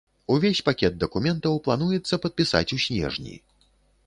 Увесь пакет дакументаў плануецца падпісаць у снежні.